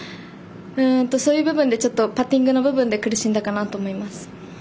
そういうパッティングの部分で苦しんだかなと思います。